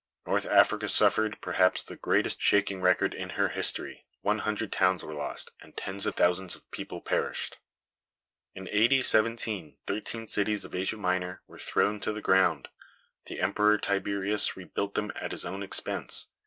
North Africa suffered, perhaps, the greatest shaking recorded in her history; one hundred towns were lost, and tens of thousands of people perished. In A. D. 17 thirteen cities of Asia Minor were thrown to the ground. The Emperor Tiberius rebuilt them at his own expense.